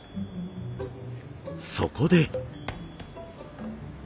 そこで。